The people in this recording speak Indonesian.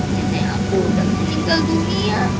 nenek aku udah meninggal dunia